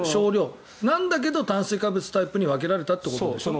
なんだけど炭水化物タイプに分けられたということでしょ。